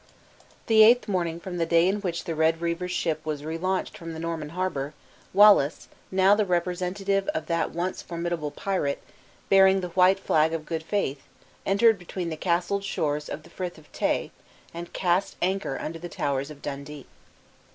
The eighth morning from the day in which the Red Reaver's ship was relaunched from the Norman harbor, Wallace, now the representative of that once formidable pirate, bearing the white flag of good faith, entered between the castled shores of the Frith of Tay, and cast anchor under the towers of Dundee.